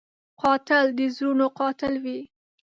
قاتل د زړونو قاتل وي